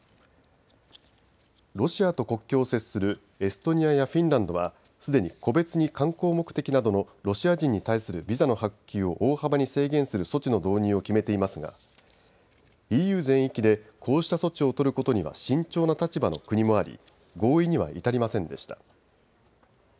ロシアと国境を接するエストニアやフィンランドはすでに個別に観光目的などのロシア人に対するビザの発給を大幅に制限する措置の導入を決めていますがＥＵ全域でこうした措置を取ることには慎重な立場の国もあり合意には至りませんでした。